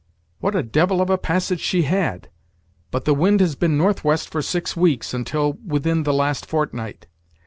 What a devil of a passage she had! but the wind has been northwest for six weeks, until within the last fortnight.